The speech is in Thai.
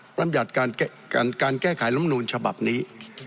พรรภัมยัตรการแก้ไขลำนุนฉบับนี้